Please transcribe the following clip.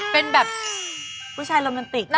เป็นแบบ